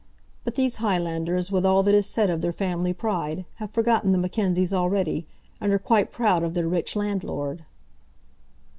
But these Highlanders, with all that is said of their family pride, have forgotten the Mackenzies already, and are quite proud of their rich landlord."